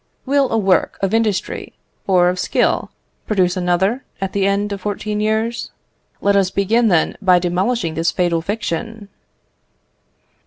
"Will a work of industry or of skill produce another, at the end of fourteen years? "Let us begin, then, by demolishing this fatal fiction."